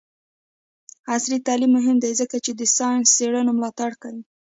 عصري تعلیم مهم دی ځکه چې د ساینسي څیړنو ملاتړ کوي.